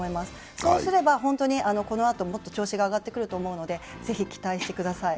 そうすればこのあともっと調子が上がってくると思うので、ぜひ期待してください。